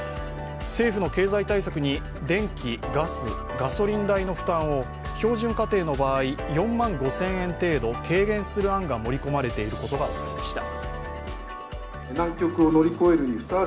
政府の経済対策に電気・ガス・ガソリン代の負担を標準家庭の場合、４万５０００円程度軽減する案が盛り込まれていることが分かりました。